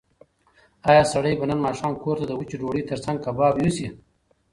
ایا سړی به نن ماښام کور ته د وچې ډوډۍ تر څنګ کباب یوسي؟